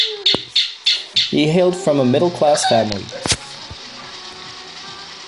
He hailed from a middle-class family.